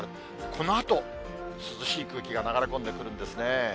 このあと、涼しい空気が流れ込んでくるんですね。